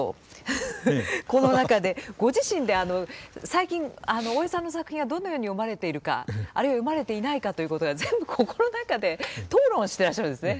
この中でご自身で最近大江さんの作品はどのように読まれているかあるいは読まれていないかということが全部ここの中で討論してらっしゃるんですね。